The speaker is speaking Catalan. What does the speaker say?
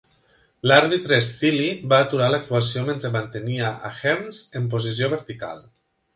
L'àrbitre Steele va aturar l'actuació mentre mantenia a Hearns en posició vertical.